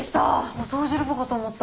お掃除ロボかと思った。